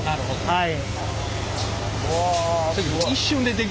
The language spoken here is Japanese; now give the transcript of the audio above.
はい。